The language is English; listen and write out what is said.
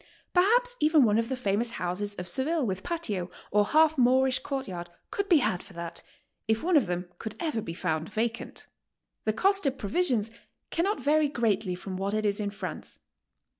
Per haps even one of the famous houses of Seville with patio, or half Moorish court yard, could be had for that — if one of them could ever be found vacant. The cosjt of provisions cannot vary greatly from what it is in France.